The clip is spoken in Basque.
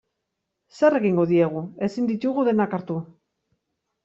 Zer egingo diegu, ezin ditugu denak hartu.